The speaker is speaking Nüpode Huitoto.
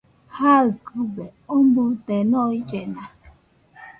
Jaɨkɨbe omɨde noillena